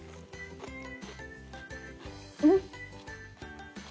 うん！